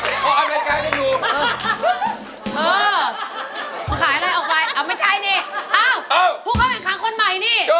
เอ้าผู้เข้าแข่งขันคนใหม่นี่